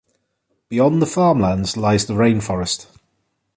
Beyond the farmlands lies the rainforest.